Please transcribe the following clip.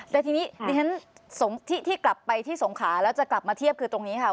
แต่ทีนี้ดิฉันที่กลับไปที่สงขาแล้วจะกลับมาเทียบคือตรงนี้ค่ะ